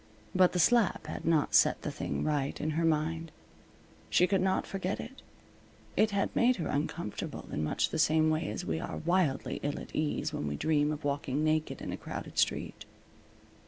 But the slap had not set the thing right in her mind. She could not forget it. It had made her uncomfortable in much the same way as we are wildly ill at ease when we dream of walking naked in a crowded street.